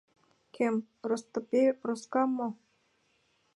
Кӧм, Ростопей Проскам мо?!